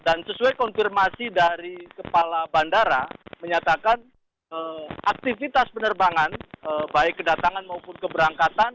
dan sesuai konfirmasi dari kepala bandara menyatakan aktivitas penerbangan baik kedatangan maupun keberangkatan